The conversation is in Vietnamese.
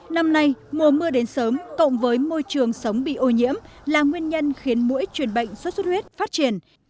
năm nay mùa mưa đến sớm cộng với môi trường sống bị ô nhiễm là nguyên nhân khiến mũi truyền bệnh sốt xuất huyết phát triển